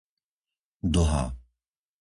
Dlhá